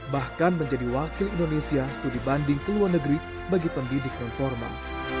bahkan menjadi wakil indonesia studi banding ke luar negeri bagi pendidik non formal